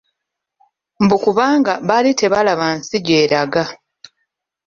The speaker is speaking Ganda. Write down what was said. Mbu kubanga baali tebalaba nsi gy'eraga!